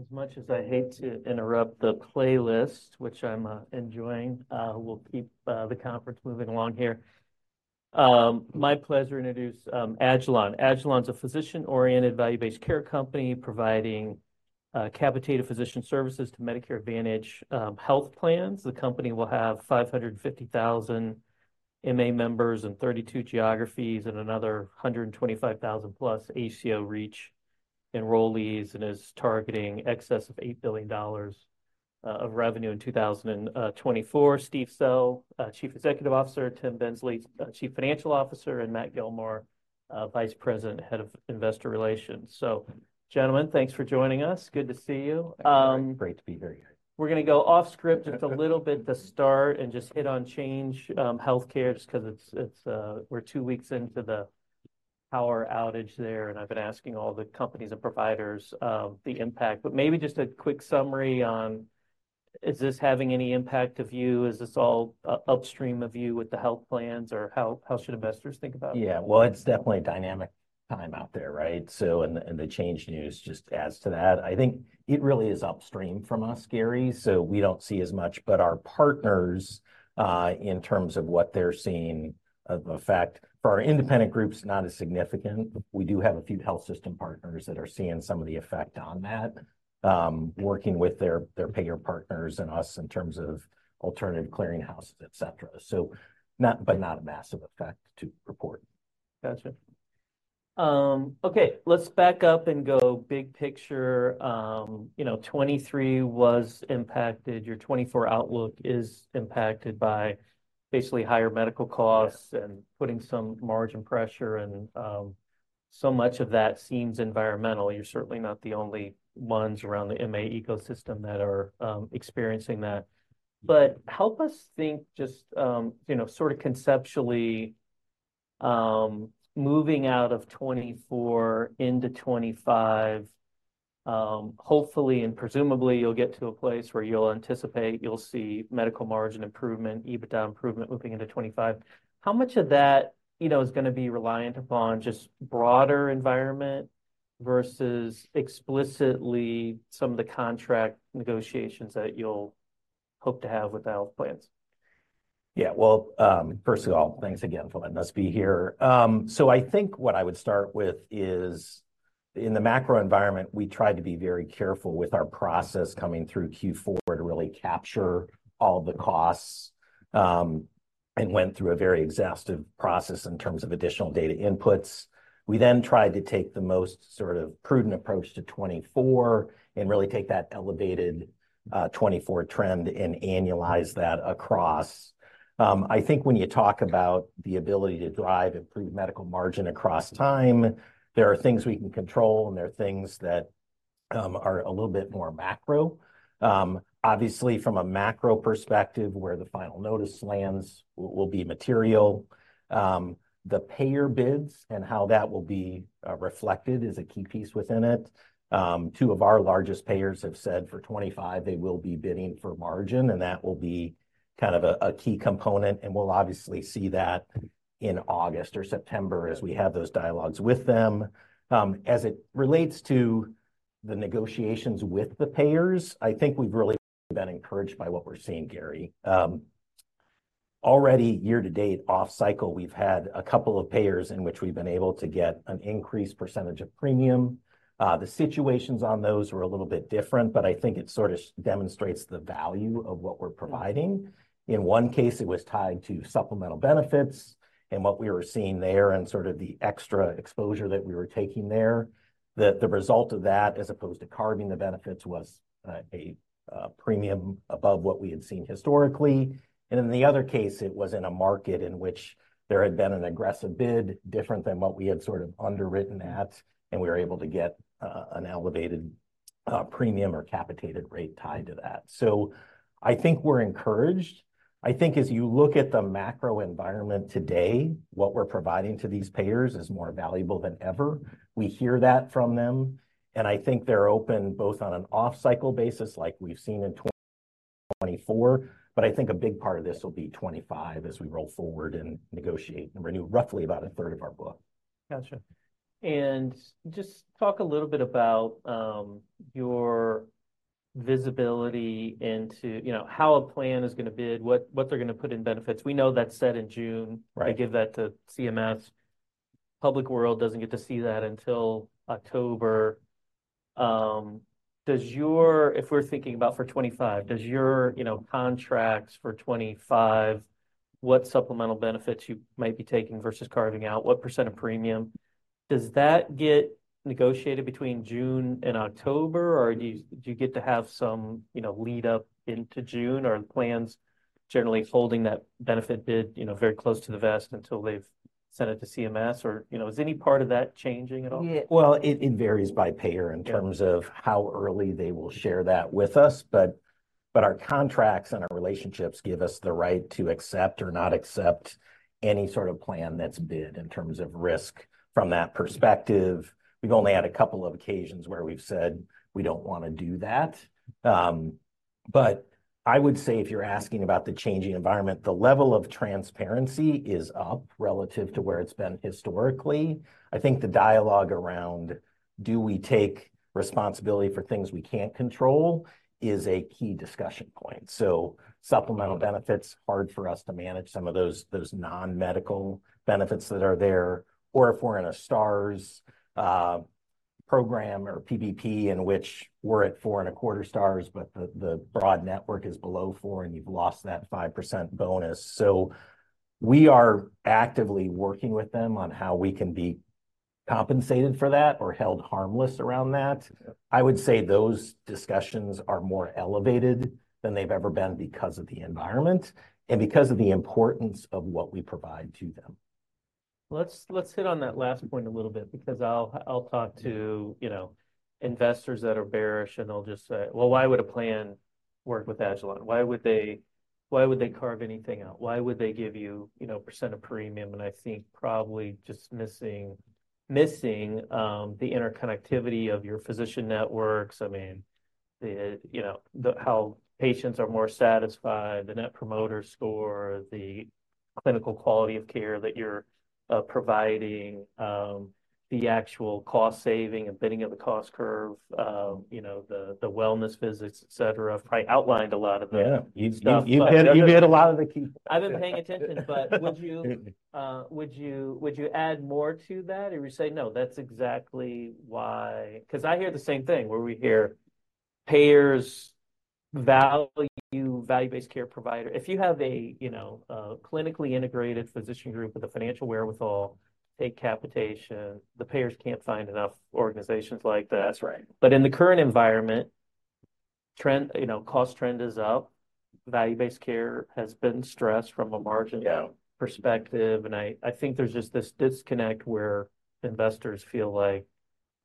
As much as I hate to interrupt the playlist, which I'm enjoying, we'll keep the conference moving along here. My pleasure to introduce Agilon. Agilon's a physician-oriented, value-based care company providing capitated physician services to Medicare Advantage health plans. The company will have 550,000 MA members in 32 geographies and another 125,000-plus ACO REACH enrollees, and is targeting excess of $8 billion of revenue in 2024. Steve Sell, Chief Executive Officer; Tim Bensley, Chief Financial Officer; and Matt Gillmor, Vice President, Head of Investor Relations. So, gentlemen, thanks for joining us. Good to see you. Great to be here, guys. We're going to go off-script just a little bit to start and just hit on Change Healthcare, just because it's, we're two weeks into the power outage there, and I've been asking all the companies and providers the impact. But maybe just a quick summary on, is this having any impact to you? Is this all upstream of you with the health plans, or how should investors think about it? Yeah, well, it's definitely a dynamic time out there, right? So in the Change news, just as to that, I think it really is upstream from us, Gary, so we don't see as much. But our partners, in terms of what they're seeing of effect for our independent groups, not as significant. We do have a few health system partners that are seeing some of the effect on that, working with their payer partners and us in terms of alternative clearinghouses, etc. So not, but not a massive effect to report. Gotcha. Okay, let's back up and go big picture. You know, 2023 was impacted. Your 2024 outlook is impacted by basically higher medical costs and putting some margin pressure, and so much of that seems environmental. You're certainly not the only ones around the MA ecosystem that are experiencing that. But help us think just, you know, sort of conceptually, moving out of 2024 into 2025, hopefully and presumably, you'll get to a place where you'll anticipate you'll see medical margin improvement, EBITDA improvement moving into 2025. How much of that, you know, is going to be reliant upon just broader environment versus explicitly some of the contract negotiations that you'll hope to have with the health plans? Yeah, well, first of all, thanks again for letting us be here. So I think what I would start with is, in the macro environment, we tried to be very careful with our process coming through Q4 to really capture all of the costs and went through a very exhaustive process in terms of additional data inputs. We then tried to take the most sort of prudent approach to 2024 and really take that elevated 2024 trend and annualize that across. I think when you talk about the ability to drive improved medical margin across time, there are things we can control, and there are things that are a little bit more macro. Obviously, from a macro perspective, where the final notice lands will be material. The payer bids and how that will be reflected is a key piece within it. Two of our largest payers have said for 2025 they will be bidding for margin, and that will be kind of a key component, and we'll obviously see that in August or September as we have those dialogues with them. As it relates to the negotiations with the payers, I think we've really been encouraged by what we're seeing, Gary. Already year to date, off-cycle, we've had a couple of payers in which we've been able to get an increased percentage of premium. The situations on those were a little bit different, but I think it sort of demonstrates the value of what we're providing. In one case, it was tied to supplemental benefits and what we were seeing there and sort of the extra exposure that we were taking there. The result of that, as opposed to carving the benefits, was a premium above what we had seen historically. And in the other case, it was in a market in which there had been an aggressive bid different than what we had sort of underwritten at, and we were able to get an elevated premium or capitated rate tied to that. So I think we're encouraged. I think as you look at the macro environment today, what we're providing to these payers is more valuable than ever. We hear that from them. And I think they're open both on an off-cycle basis like we've seen in 2024, but I think a big part of this will be 2025 as we roll forward and negotiate and renew roughly about a third of our book. Gotcha. And just talk a little bit about your visibility into, you know, how a plan is going to bid, what they're going to put in benefits. We know that's set in June. I give that to CMS. The public world doesn't get to see that until October. Does your, if we're thinking about for 2025, does your, you know, contracts for 2025, what supplemental benefits you might be taking versus carving out, what % of premium, does that get negotiated between June and October, or do you get to have some, you know, lead-up into June, or are the plans generally holding that benefit bid, you know, very close to the vest until they've sent it to CMS, or, you know, is any part of that changing at all? Yeah, well, it varies by payer in terms of how early they will share that with us. But our contracts and our relationships give us the right to accept or not accept any sort of plan that's bid in terms of risk from that perspective. We've only had a couple of occasions where we've said we don't want to do that. But I would say if you're asking about the changing environment, the level of transparency is up relative to where it's been historically. I think the dialogue around, do we take responsibility for things we can't control, is a key discussion point. So supplemental benefits, hard for us to manage some of those non-medical benefits that are there. Or if we're in a Stars program or PBP in which we're at 4.25 stars, but the broad network is below 4, and you've lost that 5% bonus. We are actively working with them on how we can be compensated for that or held harmless around that. I would say those discussions are more elevated than they've ever been because of the environment and because of the importance of what we provide to them. Let's hit on that last point a little bit because I'll talk to, you know, investors that are bearish, and they'll just say, well, why would a plan work with Agilon? Why would they carve anything out? Why would they give you, you know, a percent of premium? And I think probably just missing the interconnectivity of your physician networks. I mean, the, you know, how patients are more satisfied, the Net Promoter Score, the clinical quality of care that you're providing, the actual cost saving and bending of the cost curve, you know, the wellness visits, etc. I've probably outlined a lot of them. Yeah, you've hit a lot of the key points. I've been paying attention, but would you add more to that? Or would you say, no, that's exactly why? Because I hear the same thing where we hear payers value-based care provider. If you have a, you know, a clinically integrated physician group with a financial wherewithal, take capitation, the payers can't find enough organizations like that. But in the current environment, trend, you know, cost trend is up. Value-based care has been stressed from a margin perspective. And I think there's just this disconnect where investors feel like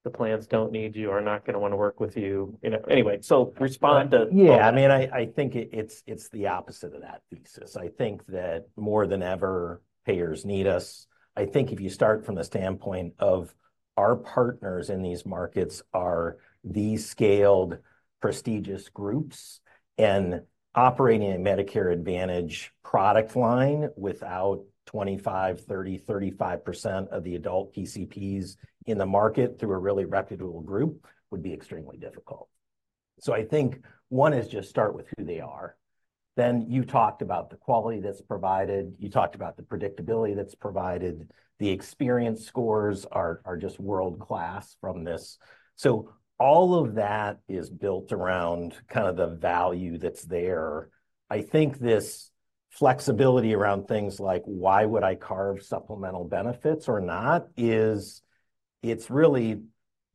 the plans don't need you or are not going to want to work with you. You know, anyway, so respond to both. Yeah, I mean, I think it's the opposite of that thesis. I think that more than ever, payers need us. I think if you start from the standpoint of our partners in these markets are these scaled, prestigious groups and operating a Medicare Advantage product line without 25%, 30%, 35% of the adult PCPs in the market through a really reputable group would be extremely difficult. So I think one is just start with who they are. Then you talked about the quality that's provided. You talked about the predictability that's provided. The experience scores are just world-class from this. So all of that is built around kind of the value that's there. I think this flexibility around things like, why would I carve supplemental benefits or not, is it's really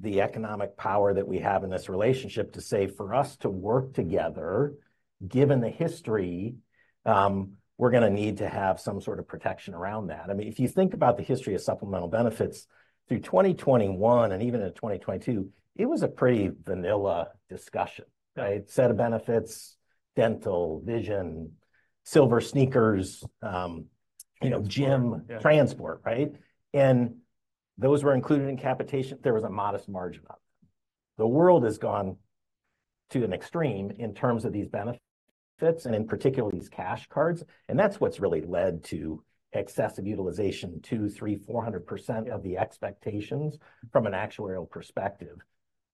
the economic power that we have in this relationship to say for us to work together, given the history, we're going to need to have some sort of protection around that. I mean, if you think about the history of supplemental benefits through 2021 and even into 2022, it was a pretty vanilla discussion, right? Set of benefits, dental, vision, SilverSneakers, you know, gym transport, right? And those were included in capitation. There was a modest margin on them. The world has gone to an extreme in terms of these benefits and in particular these cash cards. And that's what's really led to excessive utilization, 200, 300, 400% of the expectations from an actuarial perspective.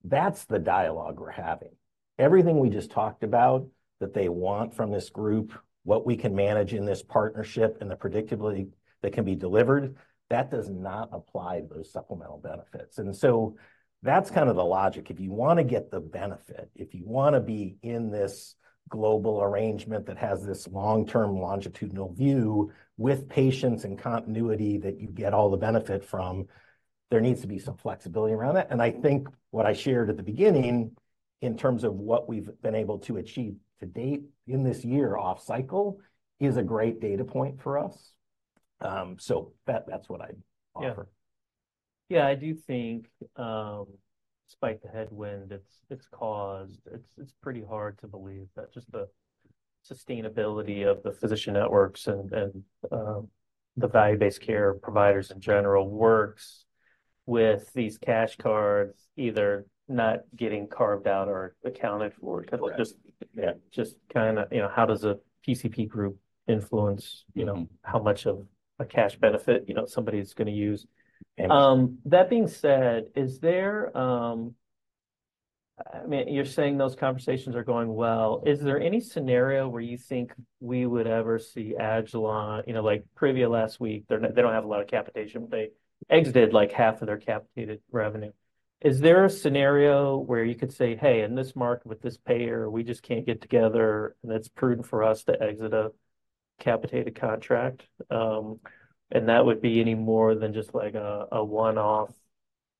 That's the dialogue we're having. Everything we just talked about that they want from this group, what we can manage in this partnership and the predictability that can be delivered, that does not apply to those supplemental benefits. And so that's kind of the logic. If you want to get the benefit, if you want to be in this global arrangement that has this long-term longitudinal view with patients and continuity that you get all the benefit from, there needs to be some flexibility around that. And I think what I shared at the beginning in terms of what we've been able to achieve to date in this year off-cycle is a great data point for us. So that's what I offer. Yeah, I do think despite the headwind it's caused, it's pretty hard to believe that just the sustainability of the physician networks and the value-based care providers in general works with these cash cards either not getting carved out or accounted for because they're just kind of, you know, how does a PCP group influence, you know, how much of a cash benefit, you know, somebody's going to use? That being said, is there, I mean, you're saying those conversations are going well. Is there any scenario where you think we would ever see Agilon, you know, like Privia last week, they don't have a lot of capitation, but they exited like half of their capitated revenue. Is there a scenario where you could say, hey, in this market with this payer, we just can't get together and it's prudent for us to exit a capitated contract? That would be any more than just like a one-off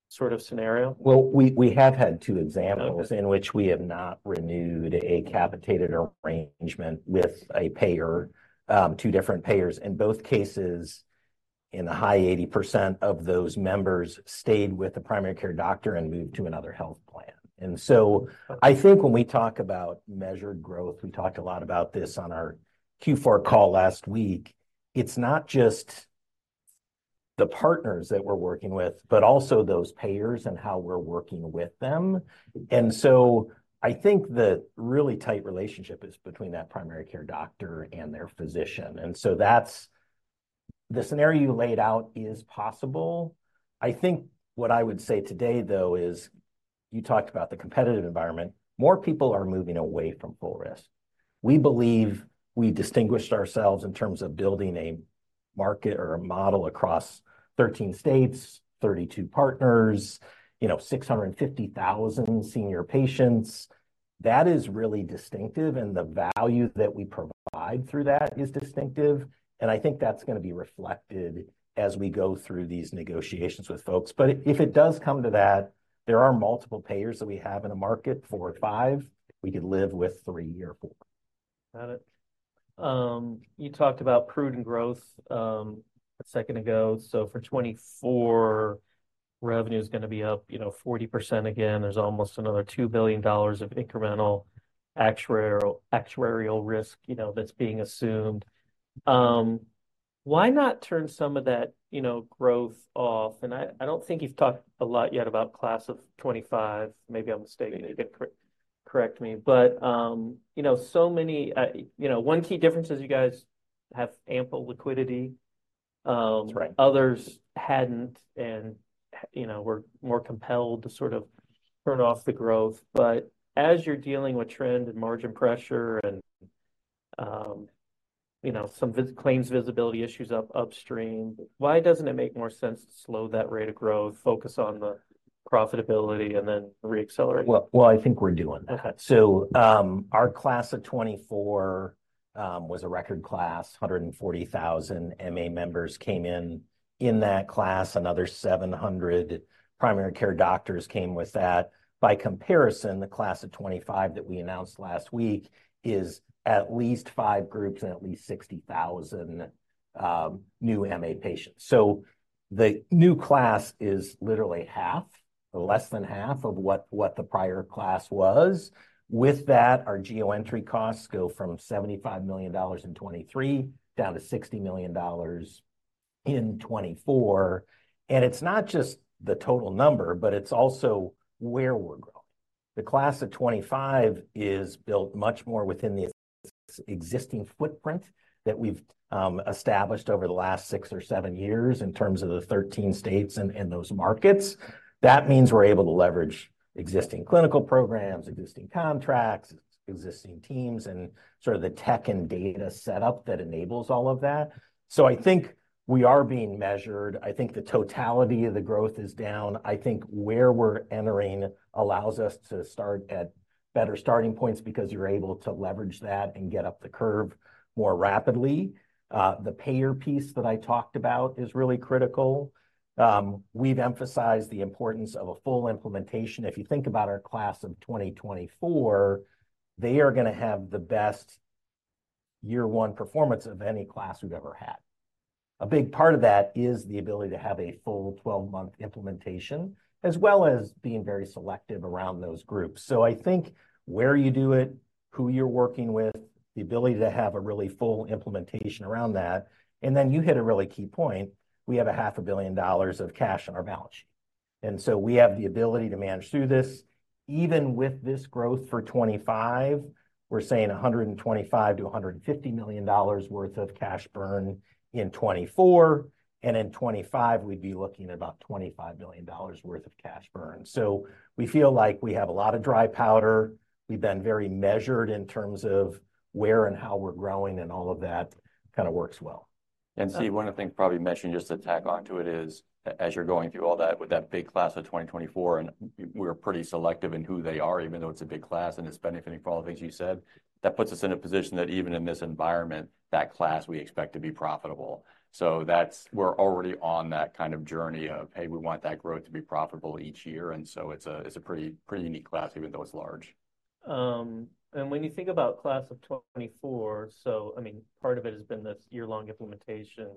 sort of scenario? Well, we have had two examples in which we have not renewed a capitated arrangement with a payer, two different payers. In both cases, in the high 80% of those members stayed with the primary care doctor and moved to another health plan. And so I think when we talk about measured growth, we talked a lot about this on our Q4 call last week. It's not just the partners that we're working with, but also those payers and how we're working with them. And so I think the really tight relationship is between that primary care doctor and their physician. And so that's the scenario you laid out is possible. I think what I would say today, though, is you talked about the competitive environment. More people are moving away from full risk. We believe we distinguished ourselves in terms of building a market or a model across 13 states, 32 partners, you know, 650,000 senior patients. That is really distinctive, and the value that we provide through that is distinctive. I think that's going to be reflected as we go through these negotiations with folks. If it does come to that, there are multiple payers that we have in a market, four or five, we could live with three or four. Got it. You talked about prudent growth a second ago. So for 2024, revenue is going to be up, you know, 40% again. There's almost another $2 billion of incremental actuarial risk, you know, that's being assumed. Why not turn some of that, you know, growth off? And I don't think you've talked a lot yet about class of 2025. Maybe I'm mistaken. You can correct me. But, you know, so many, you know, one key difference is you guys have ample liquidity. Others hadn't and, you know, were more compelled to sort of turn off the growth. But as you're dealing with trend and margin pressure and, you know, some claims visibility issues upstream, why doesn't it make more sense to slow that rate of growth, focus on the profitability, and then reaccelerate? Well, I think we're doing that. So our class of 2024 was a record class. 140,000 MA members came in in that class. Another 700 primary care doctors came with that. By comparison, the class of 2025 that we announced last week is at least five groups and at least 60,000 new MA patients. So the new class is literally half, less than half of what the prior class was. With that, our geo entry costs go from $75 million in 2023 down to $60 million in 2024. And it's not just the total number, but it's also where we're growing. The class of 2025 is built much more within the existing footprint that we've established over the last six or seven years in terms of the 13 states and those markets. That means we're able to leverage existing clinical programs, existing contracts, existing teams, and sort of the tech and data setup that enables all of that. So I think we are being measured. I think the totality of the growth is down. I think where we're entering allows us to start at better starting points because you're able to leverage that and get up the curve more rapidly. The payer piece that I talked about is really critical. We've emphasized the importance of a full implementation. If you think about our Class of 2024, they are going to have the best year-one performance of any class we've ever had. A big part of that is the ability to have a full 12-month implementation as well as being very selective around those groups. So I think where you do it, who you're working with, the ability to have a really full implementation around that. And then you hit a really key point. We have $500 million of cash on our balance sheet. And so we have the ability to manage through this. Even with this growth for 2025, we're saying $125-$150 million worth of cash burn in 2024. And in 2025, we'd be looking at about $25 million worth of cash burn. So we feel like we have a lot of dry powder. We've been very measured in terms of where and how we're growing and all of that kind of works well. And see, one of the things probably mentioned just to tack onto it is as you're going through all that with that big Class of 2024 and we're pretty selective in who they are, even though it's a big class and it's benefiting for all the things you said, that puts us in a position that even in this environment, that class we expect to be profitable. So we're already on that kind of journey of, hey, we want that growth to be profitable each year. And so it's a pretty unique class even though it's large. When you think about Class of 2024, so I mean, part of it has been this year-long implementation.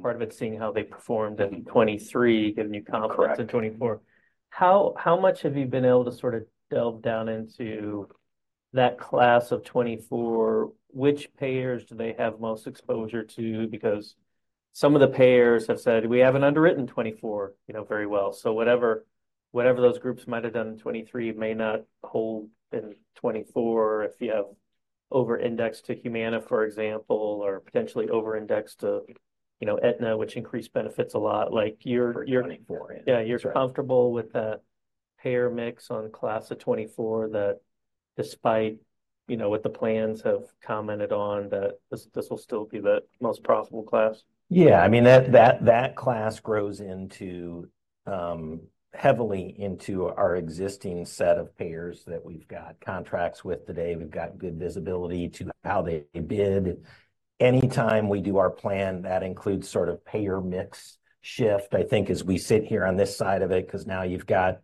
Part of it's seeing how they performed in 2023, getting new contracts in 2024. How much have you been able to sort of drill down into that Class of 2024? Which payers do they have most exposure to? Because some of the payers have said, we haven't underwritten 2024, you know, very well. So whatever those groups might have done in 2023 may not hold in 2024 if you have over-indexed to Humana, for example, or potentially over-indexed to, you know, Aetna, which increased benefits a lot. Like you're comfortable with that payer mix on Class of 2024 that despite, you know, what the plans have commented on, that this will still be the most profitable class? Yeah, I mean, that class grows heavily into our existing set of payers that we've got contracts with today. We've got good visibility to how they bid. Anytime we do our plan, that includes sort of payer mix shift, I think, as we sit here on this side of it because now you've got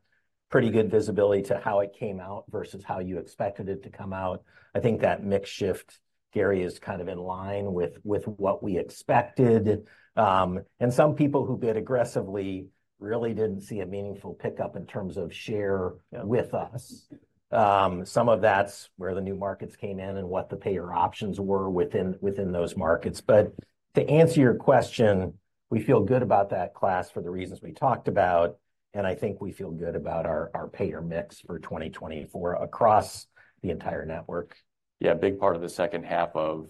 pretty good visibility to how it came out versus how you expected it to come out. I think that mix shift, Gary, is kind of in line with what we expected. And some people who bid aggressively really didn't see a meaningful pickup in terms of share with us. Some of that's where the new markets came in and what the payer options were within those markets. But to answer your question, we feel good about that class for the reasons we talked about. I think we feel good about our payer mix for 2024 across the entire network. Yeah, a big part of the second half of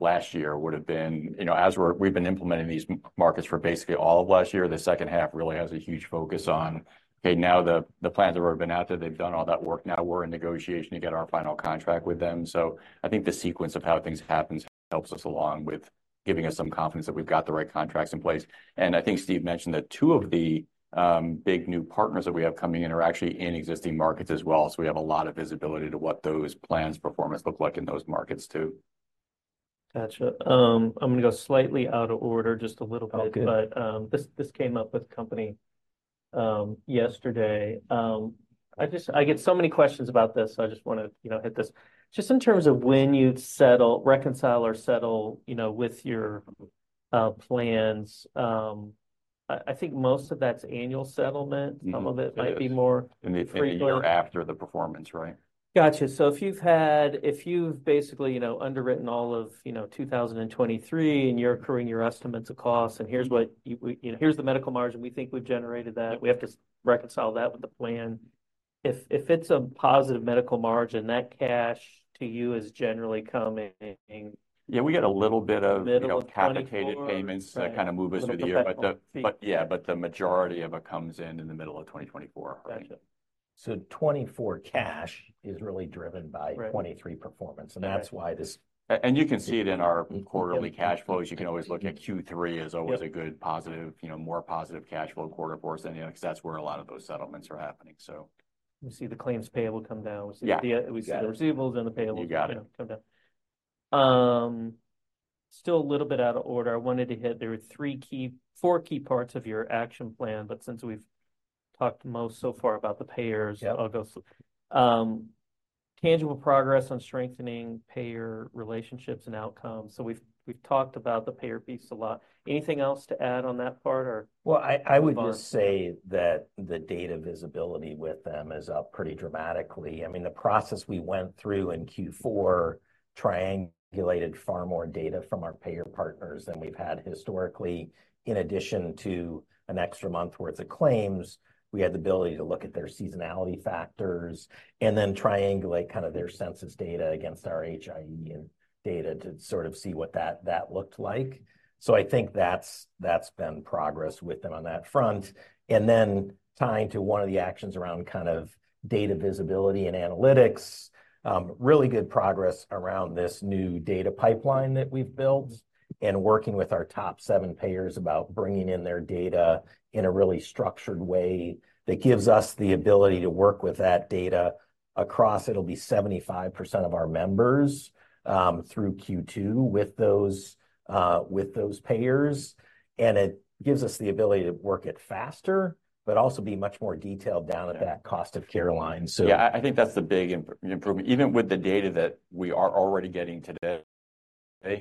last year would have been, you know, as we've been implementing these markets for basically all of last year, the second half really has a huge focus on, hey, now the plans that have already been out there, they've done all that work. Now we're in negotiation to get our final contract with them. So I think the sequence of how things happens helps us along with giving us some confidence that we've got the right contracts in place. And I think Steve mentioned that two of the big new partners that we have coming in are actually in existing markets as well. So we have a lot of visibility to what those plans' performance look like in those markets too. Gotcha. I'm going to go slightly out of order just a little bit. But this came up with the company yesterday. I get so many questions about this, so I just want to hit this. Just in terms of when you reconcile or settle, you know, with your plans, I think most of that's annual settlement. Some of it might be more frequent. In the year after the performance, right? Gotcha. So if you've basically, you know, underwritten all of, you know, 2023 and you're accruing your estimates of costs and here's what, you know, here's the Medical Margin, we think we've generated that. We have to reconcile that with the plan. If it's a positive Medical Margin, that cash to you is generally coming. Yeah, we get a little bit of capitated payments that kind of move us through the year. But yeah, but the majority of it comes in in the middle of 2024. Gotcha. 2024 cash is really driven by 2023 performance. That's why this. You can see it in our quarterly cash flows. You can always look at Q3 is always a good positive, you know, more positive cash flow quarter for us than the other, because that's where a lot of those settlements are happening. We see the claims payable come down. We see the receivables on the payable come down. Still a little bit out of order. I wanted to hit, there were three key, four key parts of your action plan, but since we've talked most so far about the payers, I'll go. Tangible progress on strengthening payer relationships and outcomes. So we've talked about the payer piece a lot. Anything else to add on that part or? Well, I would just say that the data visibility with them is up pretty dramatically. I mean, the process we went through in Q4 triangulated far more data from our payer partners than we've had historically. In addition to an extra month's worth of claims, we had the ability to look at their seasonality factors and then triangulate kind of their census data against our HIE and data to sort of see what that looked like. So I think that's been progress with them on that front. Then tying to one of the actions around kind of data visibility and analytics, really good progress around this new data pipeline that we've built and working with our top seven payers about bringing in their data in a really structured way that gives us the ability to work with that data across, it'll be 75% of our members through Q2 with those payers. It gives us the ability to work it faster, but also be much more detailed down at that cost of care line. Yeah, I think that's the big improvement. Even with the data that we are already getting today,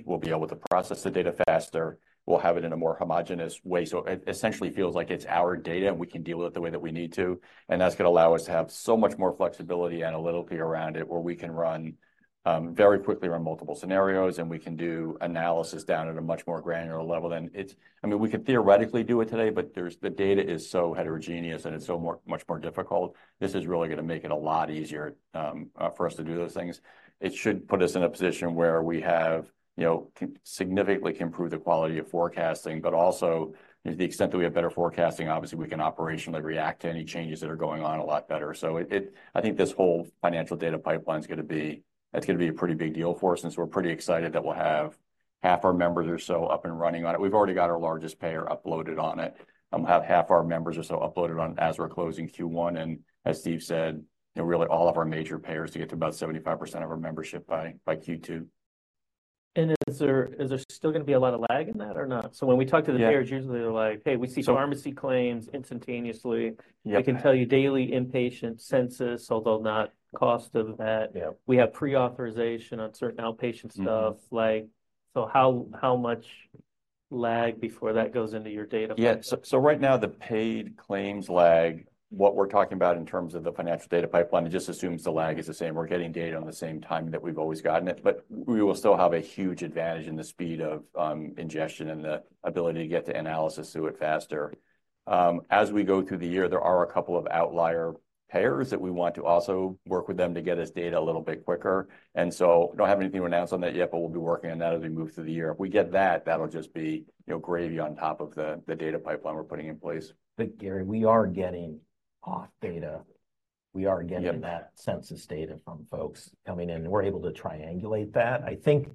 we'll be able to process the data faster. We'll have it in a more homogeneous way. So it essentially feels like it's our data and we can deal with it the way that we need to. And that's going to allow us to have so much more flexibility analytically around it where we can run very quickly around multiple scenarios and we can do analysis down at a much more granular level than it's, I mean, we could theoretically do it today, but the data is so heterogeneous and it's so much more difficult. This is really going to make it a lot easier for us to do those things. It should put us in a position where we have, you know, significantly can improve the quality of forecasting, but also to the extent that we have better forecasting, obviously we can operationally react to any changes that are going on a lot better. So I think this whole financial data pipeline is going to be, that's going to be a pretty big deal for us since we're pretty excited that we'll have half our members or so up and running on it. We've already got our largest payer uploaded on it. We'll have half our members or so uploaded on it as we're closing Q1. And as Steve said, you know, really all of our major payers to get to about 75% of our membership by Q2. And is there still going to be a lot of lag in that or not? So when we talk to the payers, usually they're like, hey, we see pharmacy claims instantaneously. They can tell you daily inpatient census, although not cost of that. We have pre-authorization on certain outpatient stuff. So how much lag before that goes into your data? Yeah. So right now the paid claims lag, what we're talking about in terms of the financial data pipeline, it just assumes the lag is the same. We're getting data on the same time that we've always gotten it. But we will still have a huge advantage in the speed of ingestion and the ability to get to analysis through it faster. As we go through the year, there are a couple of outlier payers that we want to also work with them to get us data a little bit quicker. And so I don't have anything to announce on that yet, but we'll be working on that as we move through the year. If we get that, that'll just be, you know, gravy on top of the data pipeline we're putting in place. But Gary, we are getting auth data. We are getting that census data from folks coming in. We're able to triangulate that. I think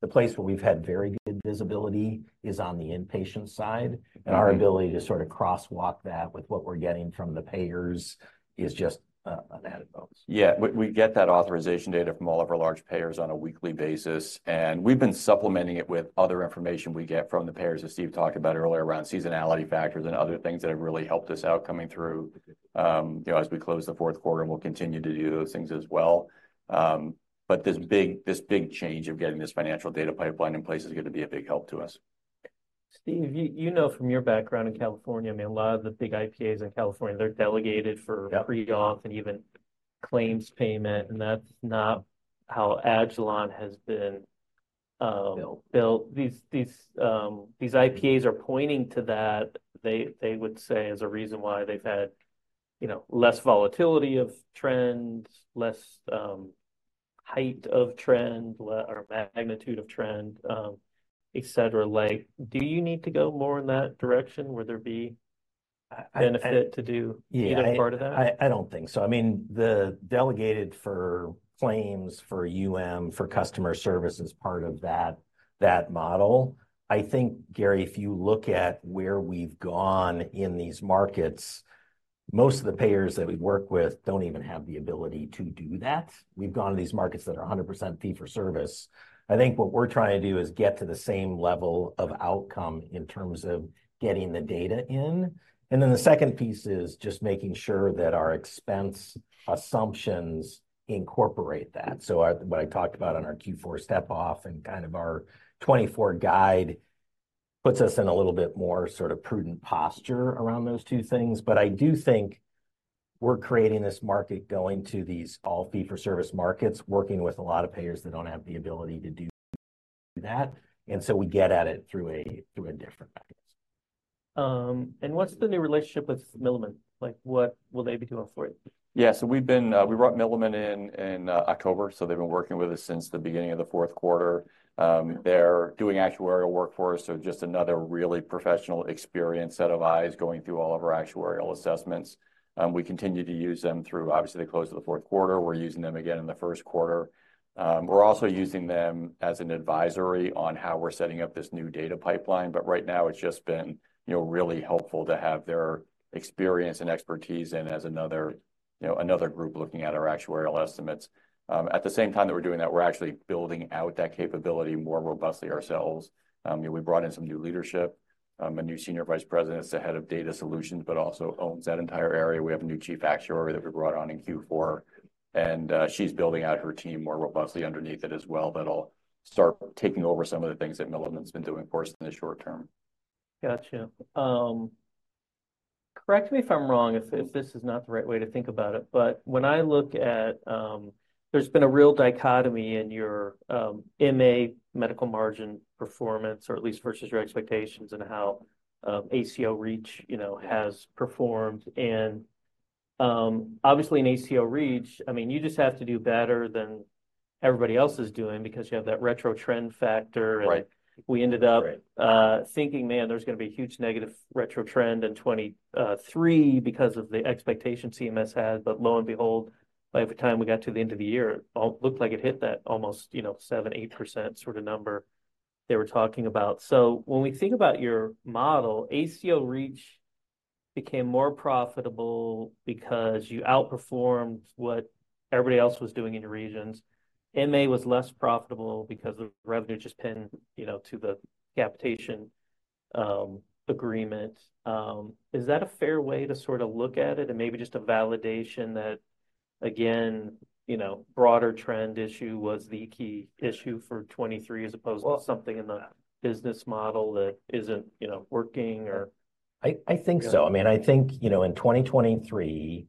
the place where we've had very good visibility is on the inpatient side. And our ability to sort of crosswalk that with what we're getting from the payers is just an added bonus. Yeah, we get that authorization data from all of our large payers on a weekly basis. And we've been supplementing it with other information we get from the payers that Steve talked about earlier around seasonality factors and other things that have really helped us out coming through. You know, as we close the fourth quarter, we'll continue to do those things as well. But this big change of getting this financial data pipeline in place is going to be a big help to us. Steve, you know from your background in California, I mean, a lot of the big IPAs in California, they're delegated for pre-auth and even claims payment. That's not how Agilon has been built. These IPAs are pointing to that, they would say, as a reason why they've had, you know, less volatility of trend, less height of trend, or magnitude of trend, et cetera. Like, do you need to go more in that direction where there be benefit to do either part of that? I don't think so. I mean, the delegated for claims for customer service as part of that model, I think, Gary, if you look at where we've gone in these markets, most of the payers that we work with don't even have the ability to do that. We've gone to these markets that are 100% fee-for-service. I think what we're trying to do is get to the same level of outcome in terms of getting the data in. And then the second piece is just making sure that our expense assumptions incorporate that. So what I talked about on our Q4 step-off and kind of our 2024 guide puts us in a little bit more sort of prudent posture around those two things. But I do think we're creating this market going to these all fee-for-service markets, working with a lot of payers that don't have the ability to do that. And so we get at it through a different mechanism. What's the new relationship with Milliman? Like, what will they be doing for you? Yeah, so we brought Milliman in in October. So they've been working with us since the beginning of the fourth quarter. They're doing actuarial work for us. So just another really professional experienced set of eyes going through all of our actuarial assessments. We continue to use them through, obviously, the close of the fourth quarter. We're using them again in the first quarter. We're also using them as an advisory on how we're setting up this new data pipeline. But right now, it's just been, you know, really helpful to have their experience and expertise in as another, you know, another group looking at our actuarial estimates. At the same time that we're doing that, we're actually building out that capability more robustly ourselves. You know, we brought in some new leadership, a new Senior Vice President that's the head of data solutions, but also owns that entire area. We have a new Chief Actuary that we brought on in Q4. She's building out her team more robustly underneath it as well that'll start taking over some of the things that Milliman's been doing, of course, in the short term. Gotcha. Correct me if I'm wrong if this is not the right way to think about it. But when I look at, there's been a real dichotomy in your MA medical margin performance, or at least versus your expectations and how ACO REACH, you know, has performed. And obviously in ACO REACH, I mean, you just have to do better than everybody else is doing because you have that retro trend factor. And we ended up thinking, man, there's going to be a huge negative retro trend in 2023 because of the expectations CMS had. But lo and behold, by the time we got to the end of the year, it looked like it hit that almost, you know, 7%-8% sort of number they were talking about. So when we think about your model, ACO REACH became more profitable because you outperformed what everybody else was doing in your regions. MA was less profitable because the revenue just pinned, you know, to the capitation agreement. Is that a fair way to sort of look at it and maybe just a validation that, again, you know, broader trend issue was the key issue for 2023 as opposed to something in the business model that isn't, you know, working or? I think so. I mean, I think, you know, in 2023,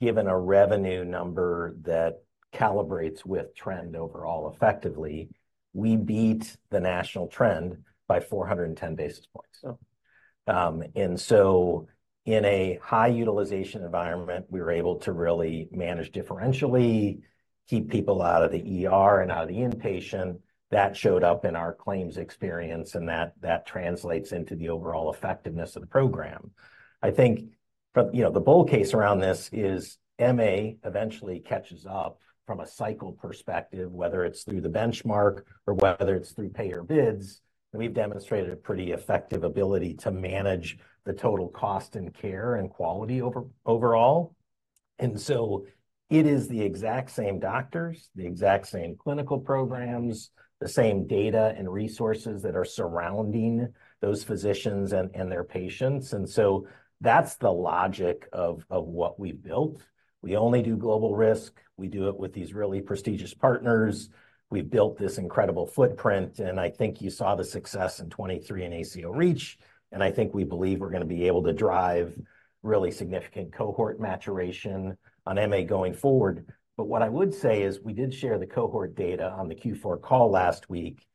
given a revenue number that calibrates with trend overall effectively, we beat the national trend by 410 basis points. And so in a high utilization environment, we were able to really manage differentially, keep people out of the ER and out of the inpatient. That showed up in our claims experience and that translates into the overall effectiveness of the program. I think, you know, the bull case around this is MA eventually catches up from a cycle perspective, whether it's through the benchmark or whether it's through payer bids. And we've demonstrated a pretty effective ability to manage the total cost and care and quality overall. And so it is the exact same doctors, the exact same clinical programs, the same data and resources that are surrounding those physicians and their patients. That's the logic of what we've built. We only do global risk. We do it with these really prestigious partners. We've built this incredible footprint. I think you saw the success in 2023 in ACO REACH. I think we believe we're going to be able to drive really significant cohort maturation on MA going forward. But what I would say is we did share the cohort data on the Q4 call last week.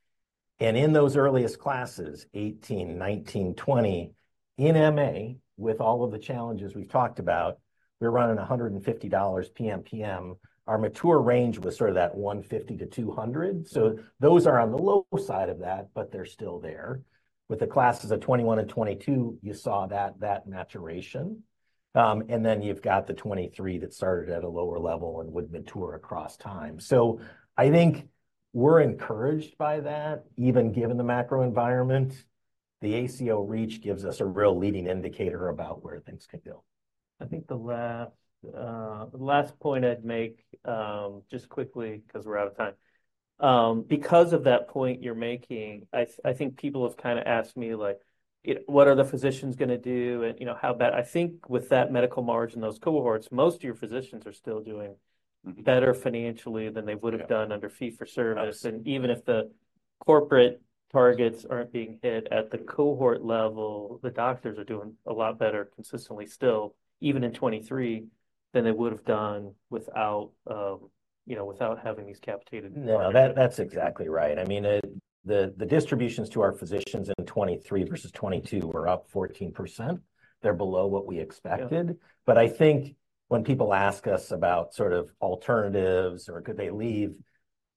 In those earliest classes, 2018, 2019, 2020, in MA, with all of the challenges we've talked about, we're running $150 PM/PM. Our mature range was sort of that $150-$200. Those are on the low side of that, but they're still there. With the classes of 2021 and 2022, you saw that maturation. You've got the 2023 that started at a lower level and would mature across time. So I think we're encouraged by that, even given the macro environment. The ACO REACH gives us a real leading indicator about where things could go. I think the last point I'd make just quickly because we're out of time. Because of that point you're making, I think people have kind of asked me like, what are the physicians going to do and, you know, how bad? I think with that medical margin in those cohorts, most of your physicians are still doing better financially than they would have done under fee-for-service. And even if the corporate targets aren't being hit at the cohort level, the doctors are doing a lot better consistently still, even in 2023, than they would have done without, you know, having these capitated. No, that's exactly right. I mean, the distributions to our physicians in 2023 versus 2022 were up 14%. They're below what we expected. But I think when people ask us about sort of alternatives or could they leave,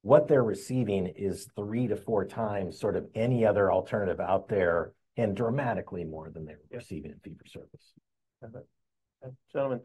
what they're receiving is 3-4 times sort of any other alternative out there and dramatically more than they were receiving in fee-for-service. Got it. Gentlemen.